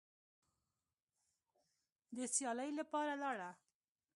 د سیالۍ لپاره لاړه